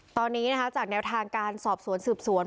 ตอนนี้นะคะจากแนวทางการสอบสวนสืบสวน